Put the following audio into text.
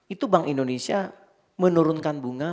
itu bank indonesia menurunkan bunga